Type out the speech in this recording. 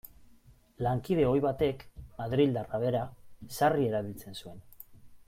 Lankide ohi batek, madrildarra bera, sarri erabiltzen zuen.